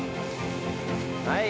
はい！